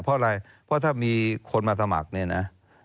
เพราะอะไรเพราะถ้ามีคนมาสมัครเนี่ยนะ